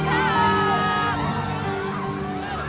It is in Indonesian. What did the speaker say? mengikuti situasi punca